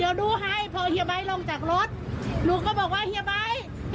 สวยชีวิตทั้งคู่ก็ออกมาไม่ได้อีกเลยครับ